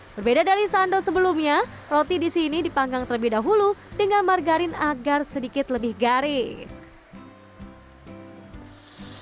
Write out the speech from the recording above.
berbeda dari sando sebelumnya roti di sini dipanggang terlebih dahulu dengan margarin agar sedikit lebih garing